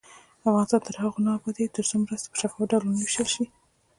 افغانستان تر هغو نه ابادیږي، ترڅو مرستې په شفاف ډول ونه ویشل شي.